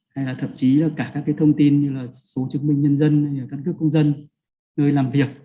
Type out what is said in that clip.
hay là thậm chí là cả các cái thông tin như là số chứng minh nhân dân các cước công dân nơi làm việc